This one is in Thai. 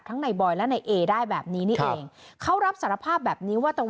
ในบอยและในเอได้แบบนี้นี่เองเขารับสารภาพแบบนี้ว่าตรง